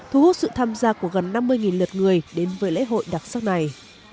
thu hút sự tham gia của gần năm mươi lượt người đến với lễ hội đặc sắc này